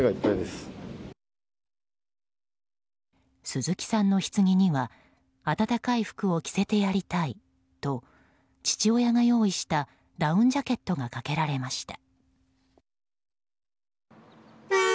鈴木さんの棺には暖かい服を着せてやりたいと父親が用意したダウンジャケットがかけられました。